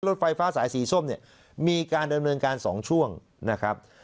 รถไฟฟ้าสายสีส้มเนี่ยมีการดำเนินการ๒ช่วงนะครับ